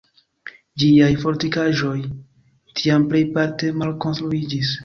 Ĝiaj fortikaĵoj tiam plejparte malkonstruiĝis.